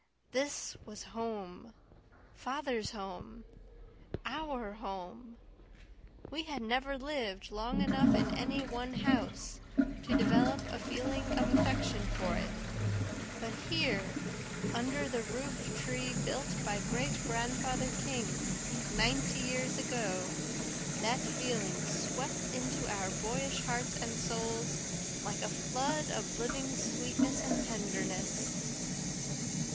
This was home father's home OUR home! We had never lived long enough in any one house to develop a feeling of affection for it; but here, under the roof tree built by Great Grandfather King ninety years ago, that feeling swept into our boyish hearts and souls like a flood of living sweetness and tenderness.